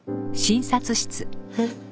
えっ。